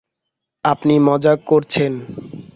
আপনি মজা করছেন।